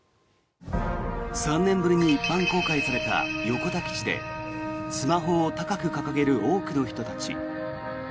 ３年ぶりに一般公開された横田基地でスマホを高く掲げる多くの人たち。